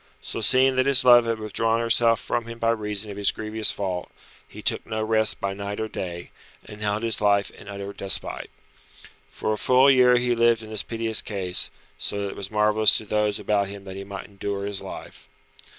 So seeing that his love had withdrawn herself from him by reason of his grievous fault, he took no rest by night or day, and held his life in utter despite. For a full year he lived in this piteous case, so that it was marvellous to those about him that he might endure his life.